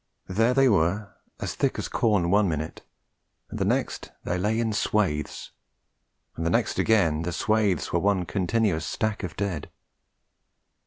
There they were, as thick as corn, one minute, and the next they lay in swathes, and the next again the swathes were one continuous stack of dead.